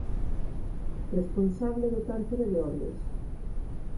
Responsable do cárcere de Ordes.